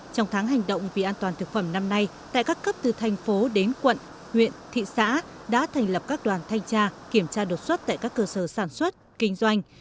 trong tháng hành động vì an toàn thực phẩm năm nay tại các cấp từ thành phố đến quận huyện thị xã đã thành lập các đoàn thanh tra kiểm tra đột xuất tại các cơ sở sản xuất kinh doanh